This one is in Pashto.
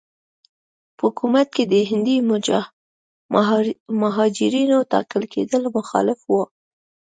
په حکومت کې د هندي مهاجرینو ټاکل کېدل مخالف وو.